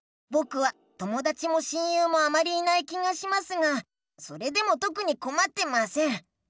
ぼくはともだちも親友もあまりいない気がしますがそれでもとくにこまってません。